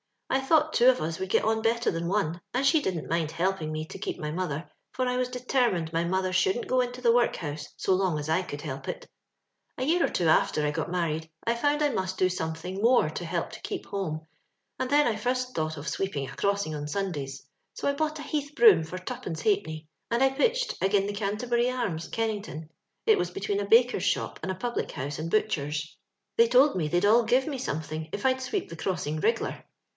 I thought two of us would get on better than one, and she didn't mind helpin' me to keep my mother, for I was determined my mother shouldn't go into the workhouse so long as I could hdp it. "A year or two after I got married, I foimd I must do something more to help to keep home, and then I fust thought of sweepin* a crossing on Sundnys; so I bought a heath broom for twopence ha'penny, and I pitched agin' the Canterbury Arms, Kenning ton; it was between a baker's shop and a public house and butcher's; they told me they'd all give me something if I'd sweep the crossing reg'lar.